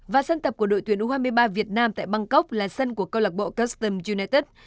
và sân tập của đội tuyển u hai mươi ba việt nam tại bangkok là sân của câu lạc bộ custom united